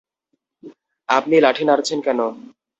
আপনি লাঠি নাড়ছেন কেন?